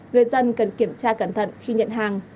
người dân cần kiểm tra cẩn thận khi nhận hàng